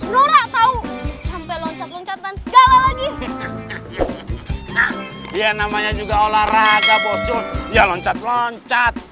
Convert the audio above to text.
lorak tahu sampai loncat loncatan segala lagi dia namanya juga olahraga bosun ya loncat loncat